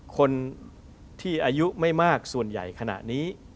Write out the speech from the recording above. คนที่อายุไม่มากส่วนใหญ่ขณะนี้